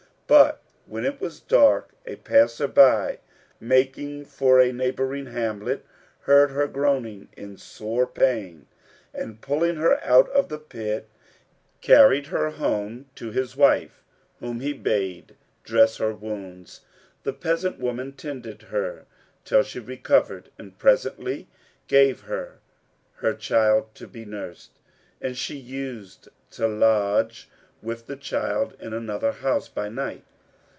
But when it was dark a passer by, making for a neighbouring hamlet, heard her groaning in sore pain; and, pulling her out of the pit, carried her home to his wife, whom he bade dress her wounds. The peasant woman tended her till she recovered and presently gave her her child to be nursed; and she used to lodge with the child in another house by night.